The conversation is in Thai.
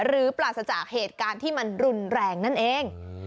ปราศจากเหตุการณ์ที่มันรุนแรงนั่นเอง